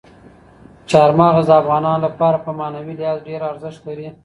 چار مغز د افغانانو لپاره په معنوي لحاظ ډېر ارزښت لري.